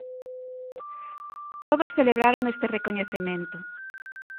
Todos celebraron este recoñecemento.